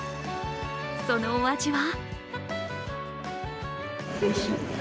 そのお味は？